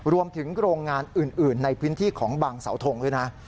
รวมถึงโรงงานอื่นในพื้นที่ของบางเสาทงด้วยนะ